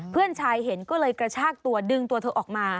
เพื่อนชายเห็นก็เลยกระชากตัวดึงตัวเธอออกมา